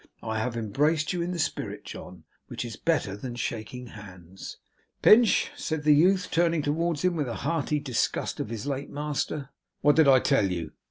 I have embraced you in the spirit, John, which is better than shaking hands.' 'Pinch,' said the youth, turning towards him, with a hearty disgust of his late master, 'what did I tell you?